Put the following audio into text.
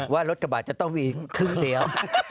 ว่ารถกระบาดจะต้องมีอีกครึ่งเดียว